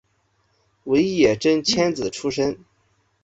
尾野真千子出身。